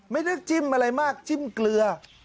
ไม่ได้จิ้มอะไรมากจิ้มเกลือ